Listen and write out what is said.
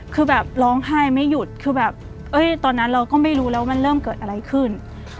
คือแบบร้องไห้ไม่หยุดคือแบบตอนนั้นเราก็ไม่รู้แล้วมันเริ่มเกิดอะไรขึ้น